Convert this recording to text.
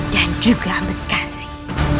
dan juga amat kasih